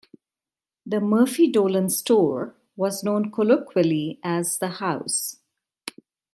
The Murphy-Dolan store was known colloquially as The House.